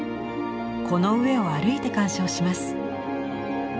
この上を歩いて鑑賞します。